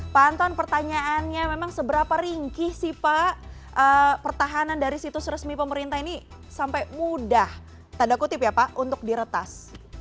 pak anton pertanyaannya memang seberapa ringkih sih pak pertahanan dari situs resmi pemerintah ini sampai mudah tanda kutip ya pak untuk diretas